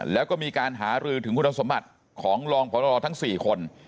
แล้วก็มีการหารือถึงคุณสมบัติของรองพรทั้ง๔คน